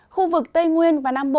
khu vực tây nguyên và nam bộ